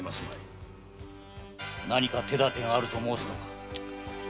「手だてがある」と申すのか？